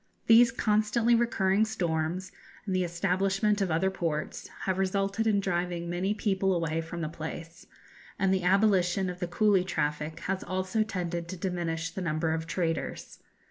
These constantly recurring storms, and the establishment of other ports, have resulted in driving many people away from the place, and the abolition of the coolie traffic has also tended to diminish the number of traders.